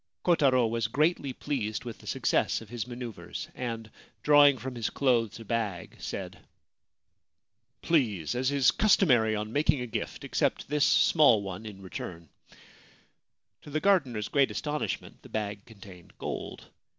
Kotaro was greatly pleased with the success of his manoeuvres, and, drawing from his clothes a bag, said : 321 41 Ancient Tales and Folklore of Japan ' Please, as is customary on making a gift, accept this small one in return/ To the gardener's great astonishment, the bag con tained gold.